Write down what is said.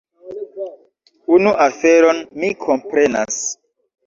Unu aferon mi komprenas.